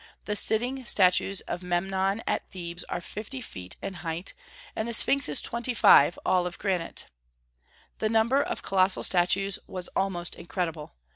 The sitting statues of Memnon at Thebes are fifty feet in height, and the Sphinx is twenty five, all of granite. The number of colossal statues was almost incredible.